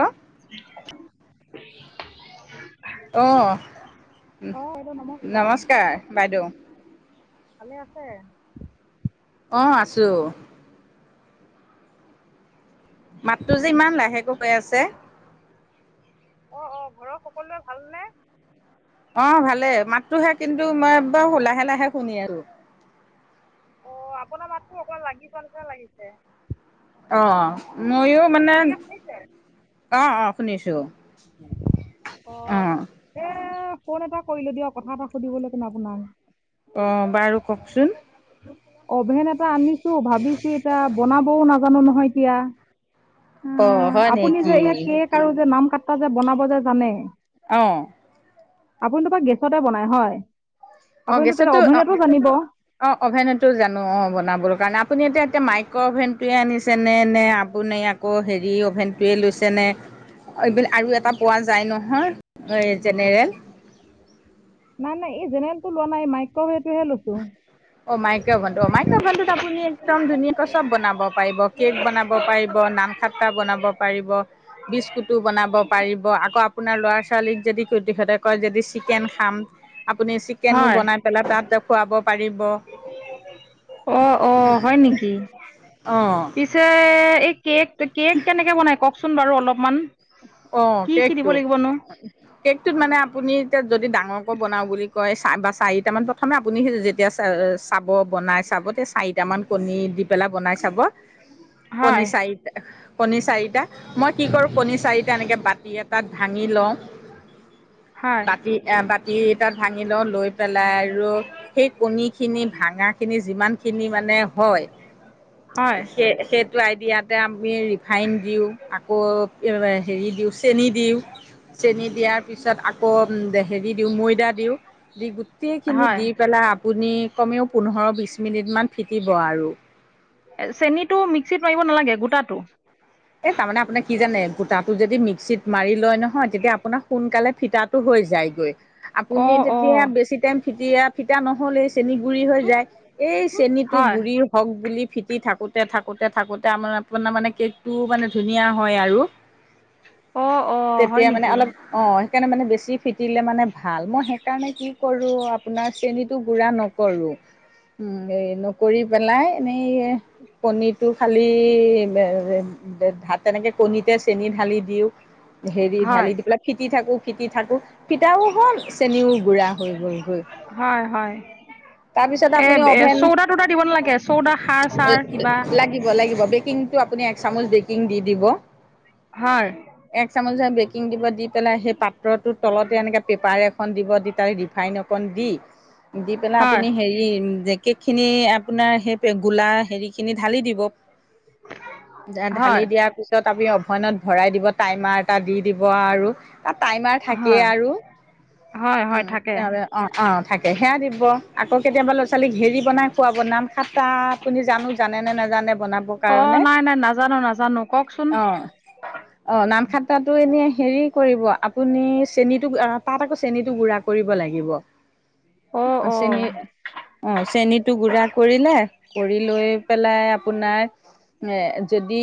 অহ। [inaudible] অঁ অ বাইদেউ নমস্কাৰ বাইদেউ। ভালে আছে। অঁ' আছো। মাতটো যে ইমান লাহেকৈ হয় আছে। অঁ' অঁ' ঘৰত সকলোৱে ভাল নে? অ ভালে মাতটোহে কিন্তু মই একদম লাহে লাহে শুনি আৰু। অ! আপোনাৰ মাততো অকণ লাগি পোৱা নিচনা লাগিছে? [inaudible] অ! মইও মানে এতিয়া শুনিছে? [inaudible] অঁ-অঁ! শুনিছোঁ। অ [unintelligible] অঁ! এ ফোন এটা কৰিলো দিয়ক, কথা এটা সুধিবলৈ কিনে আপোনাক। [inaudible] অঁ! বাৰু কওক চোন? [inaudible] অভেন এটা আনিছো, ভাবিছোঁ, এতিয়া বনাবও নাজানো নহয় এতিয়া। [inaudible] [inaudible] অ', অঁ! হয় আপুনি যে নেকি এই কেক আৰু যে নাম কটা যে বনাব যে জানে [inaudible] অঁ। [inaudible] আপুনিতো বা গেছতে বনাই হয়। আপুনটো তাতে অভেনটো জানিব? [inaudible] অঁ অভেনতো জানো অঁ বনাবৰ কাৰণে। আপুনি এতিয়া-এতিয়া মাইক্ৰ অভেনটোৱে আনিছে নে নে আপুনি ইয়াক [unintelligible] আকৌ হেৰি অ'ভেনটোৱে লৈছে নে [inaudible] এ [inaudible] আৰু এটা পোৱা যায় নহয় এই জেনেৰেল। নাই-নাই। এই জেনেৰেলটো লোৱা নাই মাইক্ৰেটোহে লৈছোঁ। [inaudible] অ! মাইক্ৰভেনটো অ মাইক্ৰভেনতোত আপুনি একদম ধুনীয়াকৈ চব বনাব পাৰিব। কেক বনাব পাৰিব, নাম [inaudible] খাটটা বনাব পাৰিব, বিস্কুটো বনাব পাৰিব আকৌ আপোনাৰ ল'ৰা-ছোৱালীক যদি [inaudible] তে কয় যদি চিকেন খাম আপুনি চিকেনো হয় বনাই পেলাই তাত খুৱাব পাৰি [inaudible] ব [unintelligible] অ-অ! হয় নেকি? অ পিছে এই কেক [inaudible] [inaudible] কেক কেনেকে বনাই কওক চোন বাৰু অলপমান? [inaudible] অঁ! কি কি দিব কেকটো? [inaudible] লাগিবনো কেকটোত মানে আপুনি এতিয়া যদি ডাঙৰকৈ বনাও বুলি কয় [inaudible] বা চাৰিটামান প্ৰথমে আপুনি সেই যেতিয়া চা [inaudible] চাব বনাই চাব তে চাৰিটামান কণী দি পেলাই বনাই চাব। হয় কণী চাৰি [inaudible] [inaudible] কণী চাৰিটা। মই কি কৰো কণী চাৰি বাটি এটাত ভাঙি ল‌ওঁ। হয় বাটি এ বাটি এটাত ভাঙি ল‌ওঁ। লৈ [unintelligible] পেলাই আৰু সেই কণীখিনি ভাঙাখিনি যিমানখিনি মানে হয় [inaudible] হয় সেই-সেই [inaudible] খুৱাই দিয়াতে আমি ৰিফাইন দিওঁ। আকৌ হেৰি [inaudible] দিওঁ চেনি দিওঁ, চেনি দিয়াৰ পিছত আকৌ [inaudible] উম! হেৰি দিওঁ ময়দা দিওঁ দি গোটেইখিনি হয় দি পেলাই [unintelligible] আপুনি কমেও পোন্ধৰ-বিছ মিনিটমান ফিকিব আৰু। [inaudible] চেনীটো মিক্সিত মাৰিব নালাগে গোটাটো। [inaudible] এ তাৰমানে আপোনাক কি জানে গুটাটো যদি মিক্সিত মাৰি লয় নহয় তেতিয়া আপোনাৰ সোনকালে ফিতাত [inaudible] হৈ যায় গৈ। আপুনি অঁ তেতিয়া অঁ বেছি টাইম ফিটিয়া ফিটা নহ'লেই [inaudible] চেনী গুৰি হৈ যায়। এই চেনীটো হয় গুৰি [inaudible] হওক বুলি ফিটি থাকোঁতে-থাকোঁতে-থাকোঁতে আমাৰ আপোনাৰ মানে কি [inaudible] টো মানে ধুনীয়া হয় আৰু। অঁ অঁ হয় তেতিয়া মানে নেকি অলপ [unintelligible] অঁ! সেইকাৰণে মানে বেছি ফিটিলে মানে ভাল। মই সেইকাৰণে কি কৰোঁ [inaudible] আপোনাৰ চেনিটো গুড়া নকৰোঁ। [inaudible] [inaudible] নকৰি পেলাই এনেই কণীটো খালী [inaudible] [inaudible] তেনেকে কণীতে চেনি ঢালি দিওঁ, হেৰি হয় ঢালি দি পেলাই [inaudible] ফিটি থাকো, ফিটি থাকো ফিটাও হ'ল চেনিও গুড়া। [inaudible] গৈ হয়-হয়। [inaudible] তাৰপিছত আপুনি এ অভেন [inaudible] চৌদা-তৌদা দিব নালাগে। চৌদা সাৰ-চাৰ কিবা। [inaudible] [inaudible] দি লাগিব। বেকিংটো আপুনি এক চামুচ বেকিং দি দিব। [unintelligible] হয় এক চামুচেৰে বেকিং দিব, দি পেলাই সেই পাত্ৰটোৰ তলতে এনেকে পেপাৰ এখন দিব, দি তাৰে ৰিফাইন অকণ দি [inaudible] দি পেলাই হয় আপুনি হেৰি জেকেকখিনি আপোনাৰ সেই গোলা হেৰিখিনি ঢালি দিব ঢালি হয় দিয়াৰ পিছত আপুনি অভেনত ভৰাই দিব, টাইমাৰ এটা দি দিব আৰু টাইমাৰ থাকেই হয় আৰু, হয় হয় উম, থাকে তাৰপিছত অ', অ', থাকে সেয়া দিব, আকৌ কেতিয়াবা ল'ৰা ছোৱালীক হেৰি বনাই খুৱাব, নাম শাতাত আপুনি জানো জানেনে নাজানে বনাবৰ অঁ কাৰণে। নাই নাই, নাজানো-নাজানো, কওঁক চোন। অ অ', নামখাট্টাটো এনে হেৰি কৰিব, আপুনি চেনিটোক আ তাত আকৌ চেনিটো গুড়া কৰিব লাগিব। [inaudible] অ', অঁ চেনিৰ অ', চেনীটো গুড়া কৰিলে, কৰি লৈ পেলাই আপোনাৰ, এ যদি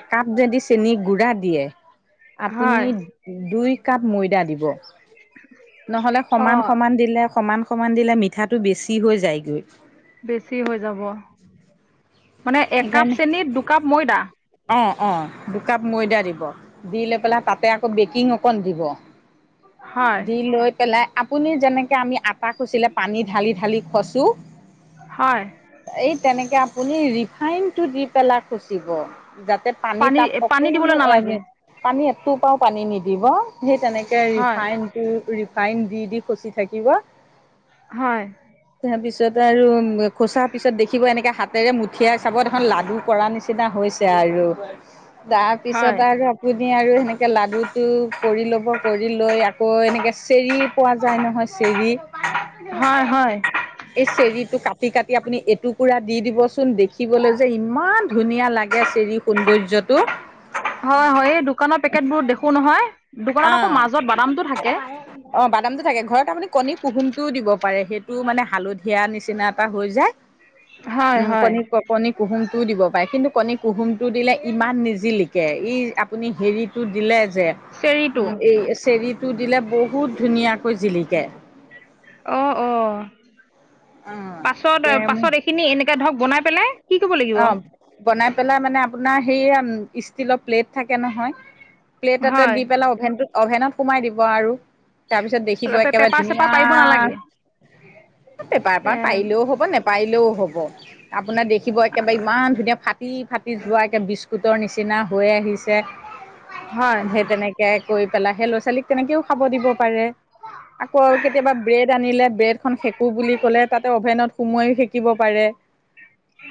একাপ যদি চেনী গুড়া দিয়ে, আপুনি হয় দুই কাপ ময়দা দিব, নহ'লে অঁ সমান-সমান দিলে সমান সমান দিলে মিঠাটো বেছি হৈ যায়গৈ। বেছি হৈ যাব, মানে একাপ সেইকাৰণে চেনিত দুকাপ ময়দা? অ', অ', দুকাপ ময়দা দিব। দি লৈ পেলাই তাতে আকৌ বেকিং অকণ দিব, হয় দি লৈ পেলাই, আপুনি যেনেকে আমি আটা খচিলে পানী ঢালি ঢালি খচো হয়। এই তেনেকে আপুনি ৰি ৰিফাইন টো দি পেলাই খচিব, যাতে পানী তাত পানী দিবলৈ অকণো নালাগে এ পানী এটোপাও পানী নিদিব, সেই তেনেকে হয় ৰিফাইন ৰিফাইন দি দি খচি থাকিব হয়। তাৰ পিছত আৰু খচা পিছত দেখিব এনেকে হাতেৰে মুঠ চাব দেখোন লাডু কৰা নিচিনা হৈছে আৰু, তাৰ হয় পিছত আৰু আপ আপুনি আৰু সেনেকে লাডুটো কৰি ল'ব, কৰি লৈ আকৌ এনেকৈ চেৰি পোৱা যায় নহয় চেৰি হয় হয়। এই চেৰি টো কাটি-কাটি আপুনি এটুকুৰা দি দিবচোন দে দেখিবলৈ যে ইমান ধুনীয়া লাগে চেৰি সৌন্দৰ্যটো। হয় হয়, এই দোকানৰ পেকেটবোৰত দেখোঁ নহয়, অ দোকানত আকৌ মাজত বাদামটো থাকে। অ', বাদামটো থাকে, ঘৰত আপুনি কণী কুহুমটোও দিব পাৰে, সেইটোও মানে হালধীয়া নিচিনা এটা হৈ যায়। [inaudible] উম, হয় কণী-কণী কুহুমটোও দিব পাৰে কিন্তু কণী কুহুমটো দিলে ইমান নিজিলিকে, ই আপুনি হেৰিটো দিলে যে চেৰিটো উম, এই চেৰিটো দিলে বহুত ধুনীয়াকৈ জিলিকে। অ', অ', অ তে পাছত-পাছত এইখিনি এনেকে ধৰক বনাই পেলাই কি কৰিব লাগিব অ', বনাই পেলাই মানে আপোনাৰ সেইয়া ইষ্টিলৰ প্লেট থাকে নহয় প্লেট এটাত হয় দি পেলাই অভেনটো-অভেনত সোমাই দিব আৰু তাৰপিছত দেখিব একেবাৰে পেপাৰ চেপাৰ ধুনীয়া, পাৰিব নালাগে পেপাৰ পাৰিলেও হ'ব নে পাৰিলেও হ'ব, আপোনাৰ দেখিব এক একেবাৰে ইমান ধুনীয়া ফাটি-ফাটি যোৱা একে বিস্কুটৰ নিচিনা হৈ আহিছ হয় সেই তেনেকে কৰি পেলাই সেই ল'ৰা ছোৱালীক তেনেকেও খাব দিব পাৰে, আকৌ কেতিয়াবা ব্ৰেড জানিলে ব্ৰেড খন শেকো বুলি ক'লে তাতে অভেনত সোমোৱাইও সেকিব পাৰে।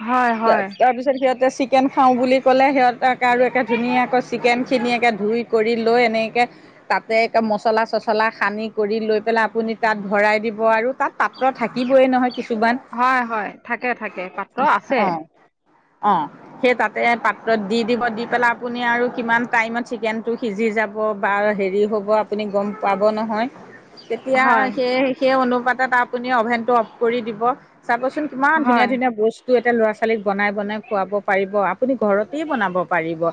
হয় হয় তাৰ-তাৰপিছত সিহঁতে চিকেন খাও বুলি ক'লে সিহঁত তাক আৰু একে ধুনীয়াকৈ চিকেনখিনি একে ধুই কৰি লৈ এনেকে তাতে একে মচলা চচলা সানি কৰি লৈ পেলাই আপুনি তাত ভৰাই দিব আৰু, তাত পাত্ৰ থাকিবই নহয় কিছুমান। হয় হয়, থাকে থাকে পাত্ৰ আছে। অ'। অ', সেই তাতে পাত্ৰত দি দিব দি পেলাই আপুনি আৰু কিমান টাইমত চিকেন তো সিজি যাব বা হেৰি হ'ব আপুনি গম পাব নহয়, তেতিয়া হয় সেই সেই অনুপাতত আপুনি অভেনটো অফ কৰি দিব, চাবচোন কিমান ধুনীয়া হয় ধুনীয়া বস্তু এটা ল'ৰা ছোৱালীক বনাই বনাই খুৱাব পাৰিব আপুনি ঘৰতেই বনাব পাৰিব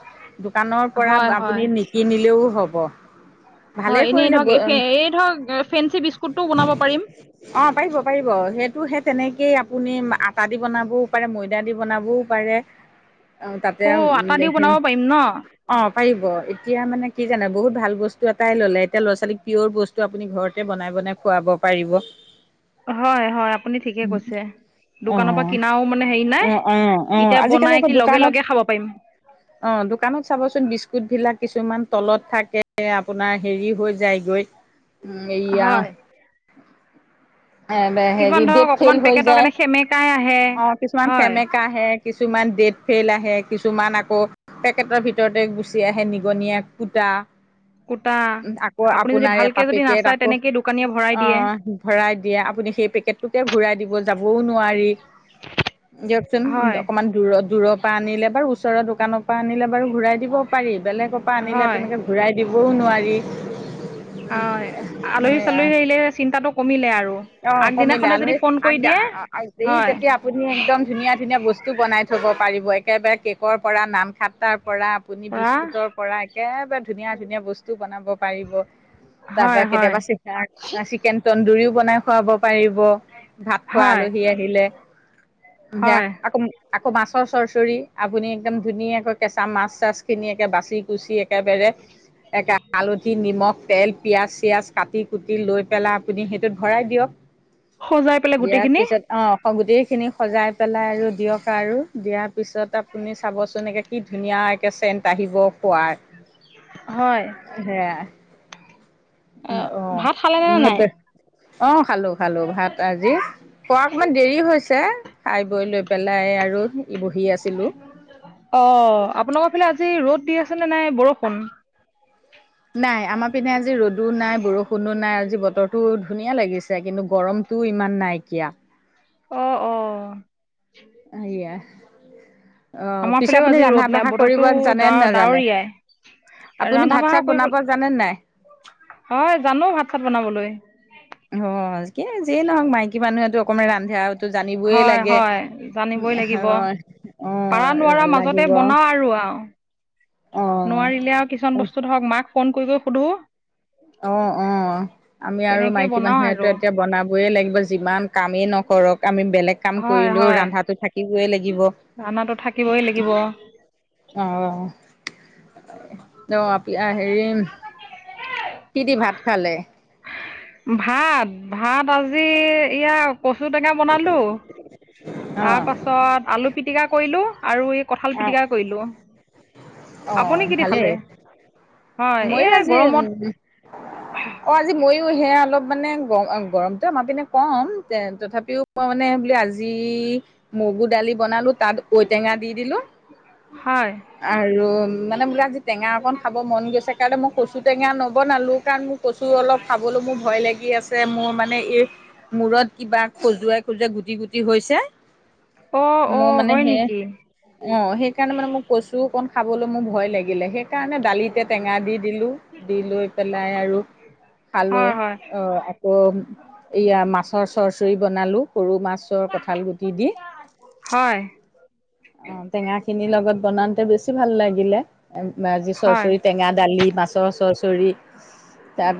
দোকানৰ পৰা হয় হয় আপুনি নিষ কিনিলেও হ'ব। ভালেই হয়, এনেই কৰিলে ধৰক এই ধৰক ফেঞ্চি বিস্কুটটোও বনাব পাৰিম। অ', পাৰিব পাৰিব সেইটো সেই তেনেকেই আপুনি আটা দি বনাবও পাৰে মৈ দি বনাবও পাৰে, তাতে অ' আটা দিও [unintelligible] বনাব পাৰিম ন অ', পাৰিব এতিয়া মানে কি জানে বহুত ভাল বস্তু এটাই ললে এতিয়া ল'ৰা ছোৱালীক পিয়ৰ বস্তু টো আপুনি ঘৰতে বনাই বনাই খুৱাব পাৰিব। হয় হয়, আপুনি ঠিকে কৈছে। অ দোকানৰ পৰা কিনাও মানে হেৰি অ নাই, অ অ এতিয়া আজিকালি বনাই আকৌ কি লগে দোকানত লগে খাব পাৰিম। অ', দোকানত চাবচোন বিস্কুট বিলাক কিছুমান তলত থাকে আপোনাৰ হেৰি হৈ যায় গৈ। [unintelligible] এইয়া, হয় এব কিছুমান হেৰি ধৰক ডেত অকমান হেৰী হৈ পেকেটৰ যায়। [unintelligible] অ' কিছুমান হয় সেমেকা আহে, কিছুমান ডেট ফেইল আহে কিছুমান আকৌ পেকেটৰ ভিতৰতে গুচি আহে নিগনীয়ে কুটা কুটা আকৌ আপুনি যদি আপোনাৰ ভালকে এটা যদি পেকেট নাচায় আকৌ তেনেকেই দোকানীয়ে ভৰাই দিয়ে অ', ভৰাই দিয়ে আপুনি সেই পেকেটটোকে ঘূৰাই দিব যাবও নোৱাৰি। দিয়কচোন হয় অকনমান দূ-দূৰৰ পৰা আনিলে বাৰু ওচৰৰ দোকানৰ কপা আনিলে বাৰু ঘূৰাই দিবও পাৰি বেলেগৰপা আনিলে হয় তেনেকৈ ঘূৰাই দিবও নোৱাৰি। হয়, আলহী চালহী আহিলে চিন্তাটো কমিলে আৰু আগদিনাখনে যদি ফোন কৰি দিয়ে আৰু [unintelligible] হয় তেতিয়া আপুনি একদম ধুনীয়া ধুনীয়া বস্তু বনাই থব পাৰিব একেবাৰে কেকৰ পৰা নাম খাটাৰ পৰা আপুনি পৰা বিস্কুটৰ পৰা একেবাৰে ধুনীয়া ধুনীয়া বস্তু বনাব পাৰিব। হয় তাৰপী হয় কেতিয়াবা [unintelligible] চিকেন তন্দুৰীও বনাই খুৱাব পাৰিব, ভাত খোৱা হয় আলহী আহিলে। এয়া, হয় আকৌ [unintelligible] আকৌ মাছৰ চৰচৰি। আপুনি একদম ধুনীয়াকৈ কেঁচা মাছ চাছ খিনি একে বাচি কুচি একেবেৰে একে হালধি নিমখ তেল পিঁয়াজ চিযয়াজ কাটি কুটি লৈ পেলাই আপুনি সেইটোত ভৰাই দিয়ক, সজাই পেলাই দিয়াৰ গোটেইখিনি পিছত অ', গোটেই খিনি সজাই পেলাই আৰু দিয়ক আৰু দিয়াৰ পিছত আপুনি চাবচোন একে কি ধুনীয়া একে চেণ্ট কাহিব পোৱাৰ হয়। সেয়া। উ অ ভাত খালেনে নে নাই [unintelligible] অ, খালোঁ খালোঁ। ভাত আজি খোৱা অকমান দেৰি হৈছে। খাই বৈ লৈ পেলাই আৰু ই বহি আছিলোঁ। অ, আপোনালোকৰ ফালে আজি ৰ'দ দি আছে নে নাই বৰষুণ? নাই। আমাৰ পিনে আজি ৰ'দো নাই, বৰষুণো নাই। আজি বতৰটো ধুনীয়া লাগিছে কিন্তু গৰম তোৰ ইমান নাইকিয়া। অ, অ। হাইয়া। অ, আমাৰ পিছে ফালেও আপুনি আজি ৰান্ধা ৰ'দ নাই বাঢ়া বতৰটো কৰিব জানে ডা নে নাজানে? ডাৱৰীয়াই আপুনি ৰন্ধা বঢ়া ভাত-চাত কৰিব বনাব জানেন নে নাই? হয়, জানো। ভাত-সাত বনাবলৈ। সহজ। এ, যিয়ে নহওঁক মাইকী মানুহেটো অকমে ৰান্ধে আৰু। টো জানিবই হয় লাগে। হয় জানিবই লাগিব এসাগৰ পাৰা নোৱাৰা অ' মাজতে লাগিব। বনাওঁ আৰু আৰু অ নোৱাৰিলে আৰু কিছুমান বস্তু ধৰক মাক ফোন কৰি কৰি সুধোঁ। অ, অ। আমি আৰু তেনেকে মাইকী বনাও মানুহেতো আৰু এতিয়া বনাব বই লাগিব, যিমান কামেই নকৰক। আমি বেলেগ কাম হয় কৰিলেও হয় ৰন্ধাটো থাক কিবই লাগিব। অ'। ৰান্নাটো থাকিবই লাগিব ত', আপ য়া হেৰিম কি দি ভাত খালে? ভাত? ভাত আজি ইয়া কচু টেঙা বনালোঁ, অ তাৰপাছত আলু পিটিকা কৰিলোঁ আৰু কঁঠাল পিটিকা কৰিলোঁ। অ আপুনি কিদি ভালেই খালে? হয়, ময়ো এ আজি উ গৰমত অ', আজি ময়ো সেয়া অলপ মানে গআ গৰমটো আমাৰ পিনে কম তথাপিও মই মানে বুলি আজি মগু দালি বনালোঁ, তাত ঔটেঙা দি দিলোঁ। হয়। আৰু মানে বোলে আজি টেঙা অকন খাব মন গৈছে কাৰণে মই কচু টেঙা নবনালোঁ, কাৰণ মোক কচু অলপ খাবলৈ মোৰ ভয় লাগি আছে। মোৰ মানে এই মূৰত কিবা খজুৱাই খজুৱাই গুটি গুটি হৈছে। অ' মোৰ অ' মানে হয় সেয়ে, নেকি অ', সেইকাৰণে মানে মোক কচু অকণ খাবলৈ মোৰ ভয় লাগিলে, সেইকাৰণে দালিতে টেঙা দি দিলোঁ, দি লৈ পেলাই আৰু খালো। হয় হয় অ', আকৌ এয়া মাছৰ চৰ্ৰচৰি বনালোঁ। সৰু মাছৰ কঁঠাল গুটি দি। হয়। অ', টেঙা খিনিৰ লগত বনাওঁনতে বেছি ভাল লাগিলে। আজি হয় চৰ্চৰি, টেঙা দালি, মাছৰ চৰ্চৰি তাৰ পিছ